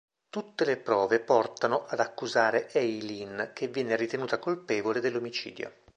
Tutte le prove portano ad accusare Eileen che viene ritenuta colpevole dell'omicidio.